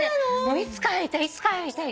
いつか会いたいいつか会いたい。